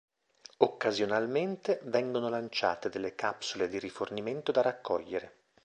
Occasionalmente vengono lanciate delle capsule di rifornimento da raccogliere.